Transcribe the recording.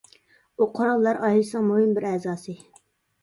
ئۇ قوراللار ئائىلىسىنىڭ مۇھىم بىر ئەزاسى.